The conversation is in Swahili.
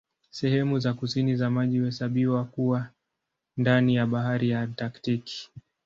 Sehemu za kusini za maji huhesabiwa kuwa ndani ya Bahari ya Antaktiki.